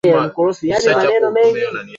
Familia ya Obama inaishi huko Chicago